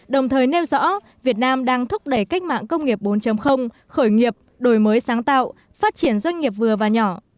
đồng thời nêu rõ việt nam đang thúc đẩy cách mạng công nghiệp bốn khởi nghiệp đổi mới sáng tạo phát triển doanh nghiệp vừa và nhỏ